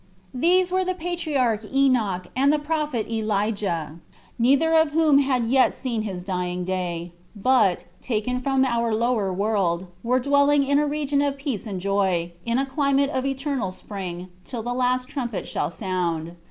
These were the patriarch Enoch and the prophet Elijah; neither of whom had yet seen his dying day, but, taken from our lower world, were dwelling in a region of peace and joy, in a climate of eternal spring, till the last trumpet shall sound.